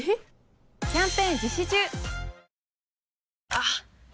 あっ！